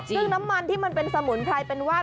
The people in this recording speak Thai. ซึ่งน้ำมันที่มันเป็นสมุนไพรเป็นว่าน